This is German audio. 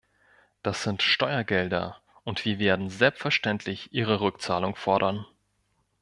Das sind Steuergelder, und wir werden selbstverständlich ihre Rückzahlung fordern.